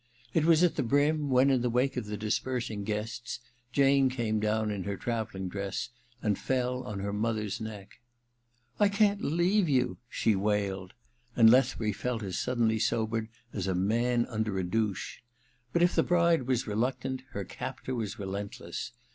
It was at the brim when, in the wake of the dispersing guests, Jane came down in her travelling dress and fell on her mother s neck. * I can't leave you !' she wailed, and Lethbury felt as suddenly sobered as a man under a douche. But if the bride was reluctant her captor was relentless.